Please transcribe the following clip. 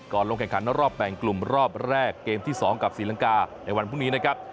ลงแข่งขันรอบแบ่งกลุ่มรอบแรกเกมที่๒กับศรีลังกาในวันพรุ่งนี้นะครับ